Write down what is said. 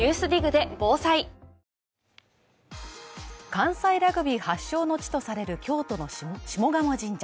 関西ラグビー発祥の地とされる京都の下鴨神社。